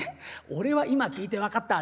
俺は今聞いて分かった。